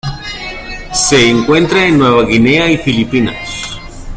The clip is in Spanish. Se encuentra en Nueva Guinea y Filipinas.